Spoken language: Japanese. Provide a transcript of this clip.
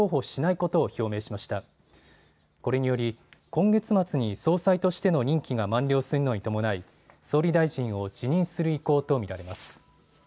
これにより今月末に総裁としての任期が満了するのに伴い総理大臣を辞任する意向と見られます。